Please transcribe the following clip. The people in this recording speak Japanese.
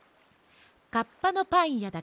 カッパのパンやだ。